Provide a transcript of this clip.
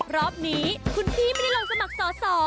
รอบนี้คุณพี่ไม่ได้ลงสมัครสอสอ